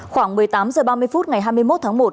khoảng một mươi tám h ba mươi phút ngày hai mươi một tháng một